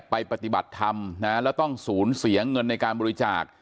ปฏิบัติธรรมนะแล้วต้องศูนย์เสียเงินในการบริจาค